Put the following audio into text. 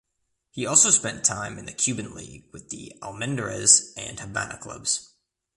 He also spent time in the Cuban League with the Almendares and Habana clubs.